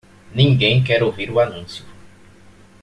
Ninguém quer ouvir o anúncio.